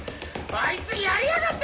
あいつやりやがった！